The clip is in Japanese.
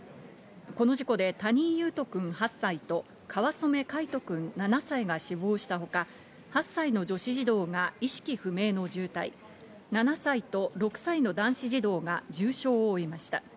この事故で谷井勇斗くん８歳と、川染凱仁くん７歳が死亡したほか、８歳の女子児童が意識不明の重体、７歳と６歳の男子児童が重傷を負いました。